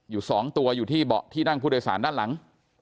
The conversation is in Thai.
อยู่๒ตัวอยู่ที่เบาะที่นั่งผู้โดยสารด้านหลัง